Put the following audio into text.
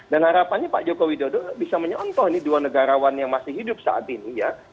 dan harapannya pak jokowi dodo bisa menyontoh nih dua negarawan yang masih hidup saat ini ya